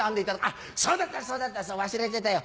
「あっそうだったそうだった忘れてたよ。